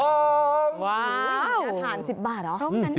ว้าวอาหาร๑๐บาทเหรอ